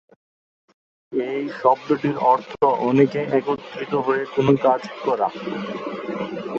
এই শব্দটির অর্থ অনেকে একত্রিত হয়ে কোন কাজ করা।